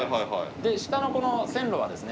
で下のこの線路はですね